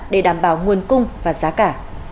để đảm bảo nguồn cung và giá cả